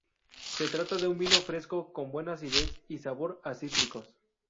Se trata de un vino fresco, con buena acidez y sabor a cítricos.